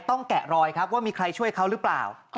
แกะรอยครับว่ามีใครช่วยเขาหรือเปล่า